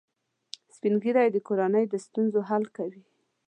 سپین ږیری د کورنۍ د ستونزو حل کوي